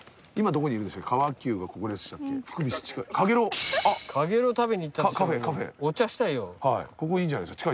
ここいいんじゃないですか？